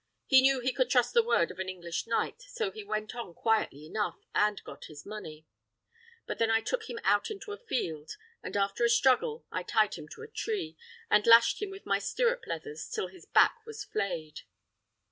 He knew he could trust the word of an English knight, so he went on quietly enough, and got his money; but then I took him out into a field, and after a struggle, I tied him to a tree, and lashed him with my stirrup leathers till his back was flayed.